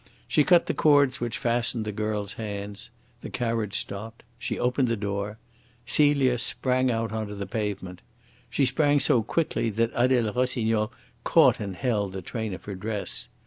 She cut the cords which fastened the girl's hands. The carriage stopped. She opened the door. Celia sprang out on to the pavement. She sprang so quickly that Adele Rossignol caught and held the train of her dress.